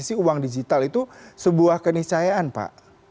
isi uang digital itu sebuah kenisayaan pak